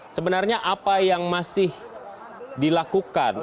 sebenarnya apa yang masih dilakukan